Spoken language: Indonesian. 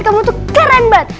kamu itu keren banget